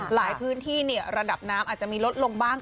หลายพื้นที่ระดับน้ำอาจจะมีลดลงบ้าง